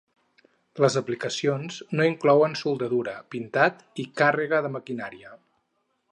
Les aplicacions no inclouen soldadura, pintat i càrrega de maquinària.